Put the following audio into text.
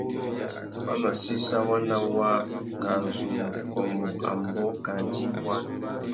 Wa mà séssa waná kā zu mù kômô ambōh kā djï bwari.